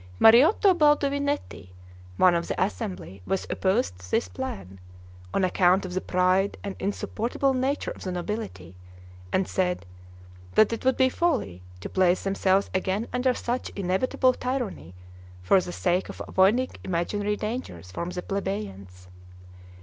Mariotto Baldovinetti, one of the assembly, was opposed to this plan, on account of the pride and insupportable nature of the nobility; and said, that it would be folly to place themselves again under such inevitable tyranny for the sake of avoiding imaginary dangers from the plebeians.